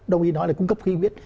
đồng ý nói là cung cấp khi viết